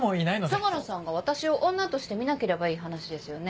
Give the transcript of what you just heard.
相良さんが私を女として見なければいい話ですよね。